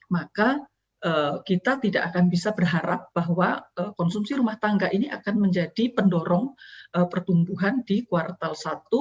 maka kita tidak akan bisa berharap bahwa konsumsi rumah tangga ini akan menjadi pendorong pertumbuhan di kuartal satu dua ribu dua puluh satu